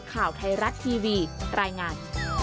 ข่าวไทยรัฐทีวีรายงาน